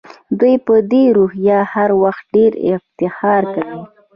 دوی په دې روحیه هر وخت ډېر افتخار کوي.